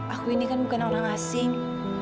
aku ini kan bukan orang asing